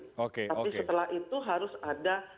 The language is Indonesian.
tapi setelah itu harus ada